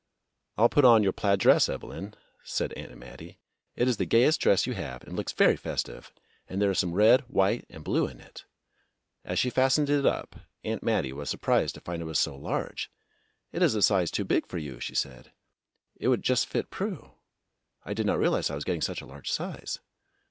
" I '11 put on your plaid dress, Evelyn," said Aunt Mattie. "It is the gayest dress you have and looks very festive, and there is some red, white, and blue in it." As she fastened it up. Aunt Mattie was sur prised to find it was so large. "It is a size too big for you," she said. "It would just fit Prue. I did not realize I was getting such a large size."